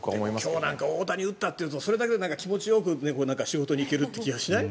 今日だって大谷が打ったというだけで気持ちよく仕事に行ける気がしない？